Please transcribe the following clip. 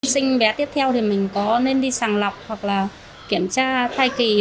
sinh bé tiếp theo thì mình có nên đi sàng lọc hoặc là kiểm tra thai kỳ